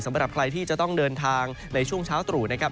สำหรับใครที่จะต้องเดินทางในช่วงเช้าตรู่นะครับ